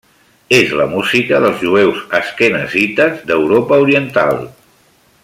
És la música dels jueus asquenazites d'Europa Oriental.